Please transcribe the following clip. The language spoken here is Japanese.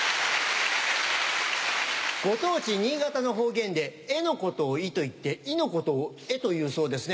ご当地新潟の方言で「え」のことを「い」と言って「い」のことを「え」と言うそうですね。